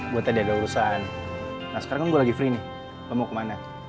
gue tadi ada urusan nah sekarang gue lagi free nih lo mau kemana